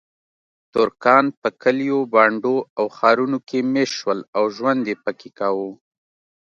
ترکان په کلیو، بانډو او ښارونو کې میشت شول او ژوند یې پکې کاوه.